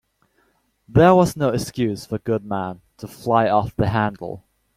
There was no excuse for Goodman to fly off the handle.